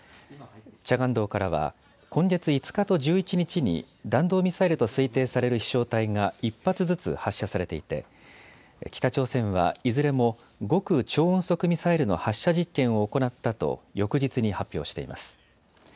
チャガン道からは今月５日と１１日に弾道ミサイルと推定される飛しょう体が１発ずつ発射されていて北朝鮮は、いずれも極超音速ミサイルの発射実験を行ったと翌日に発表しています。